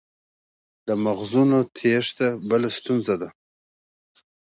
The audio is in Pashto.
د مغزونو تیښته بله ستونزه ده.